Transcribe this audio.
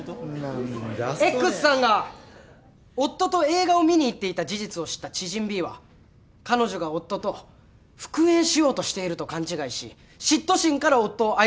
Ｘさんが夫と映画を見に行っていた事実を知った知人Ｂは彼女が夫と復縁しようとしていると勘違いし嫉妬心から夫をアイスピックで刺した。